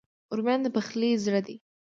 رومیان د پخلي زړه دي